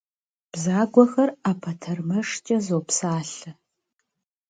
Бзагуэхэр ӏэпэтэрмэшкӏэ зопсалъэ.